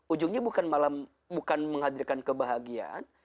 ujungnya bukan menghadirkan kebahagiaan